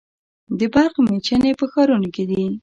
د برق میچنې په ښارونو کې دي.